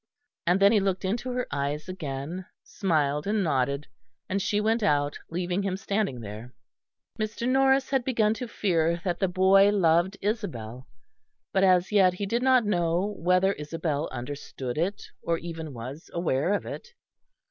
And then he looked into her eyes again, smiled and nodded; and she went out, leaving him standing there. Mr. Norris had begun to fear that the boy loved Isabel, but as yet he did not know whether Isabel understood it or even was aware of it.